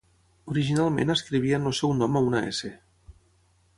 Originalment escrivien el seu nom amb una "S".